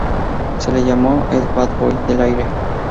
Se le llamó el "Bad Boy" del aire.